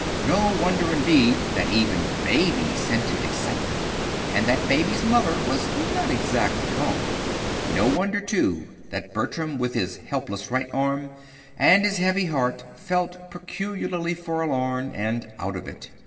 No wonder, indeed, that even Baby scented excitement, and that Baby's mother was not exactly calm. No wonder, too, that Bertram, with his helpless right arm, and his heavy heart, felt peculiarly forlorn and "out of it."